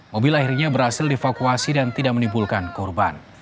mobil akhirnya berhasil dievakuasi dan tidak menimbulkan korban